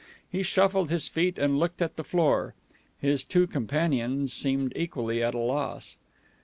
He shuffled his feet, and looked at the floor. His two companions seemed equally at a loss.